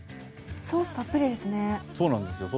ソースたっぷりですね。